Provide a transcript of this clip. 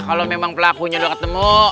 kalau memang pelakunya udah ketemu